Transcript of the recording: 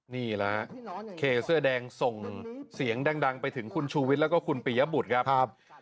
นี่แหละเคเสื้อแดงส่งเสียงดังไปถึงคุณชูวิทย์แล้วก็คุณปียบุตรครับ